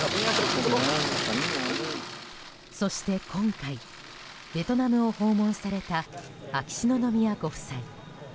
そして今回ベトナムを訪問された秋篠宮ご夫妻。